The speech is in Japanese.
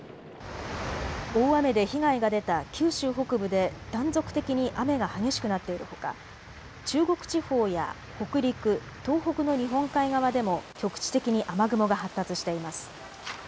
大雨で被害が出た九州北部で断続的に雨が激しくなっているほか中国地方や北陸、東北の日本海側でも局地的に雨雲が発達しています。